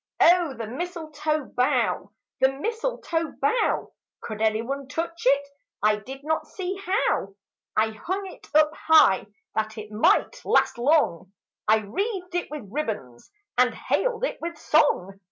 O the mistletoe bough, the mistletoe bough ! Could anyone touch It ? I did not see how. Vigils I hung It up high that it might last long, I wreathed it with ribbons and hailed it with song.